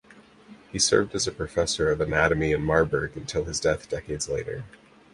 He served as professor of anatomy in Marburg until his death decades later.